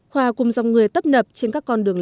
hòa cùng dòng người tấp nập trên các con đường